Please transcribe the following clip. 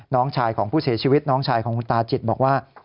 น้องชายของผู้เสียชีวิตน้องชายของคุณตาจิตบอกว่า